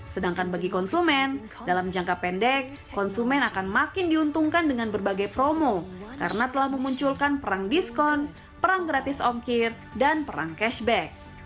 sedangkan bagi konsumen dalam jangka pendek konsumen akan makin diuntungkan dengan berbagai promo karena telah memunculkan perang diskon perang gratis ongkir dan perang cashback